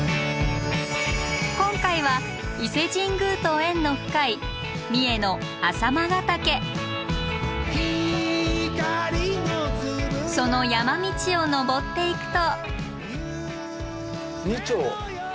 今回は伊勢神宮と縁の深い三重のその山道を登っていくと。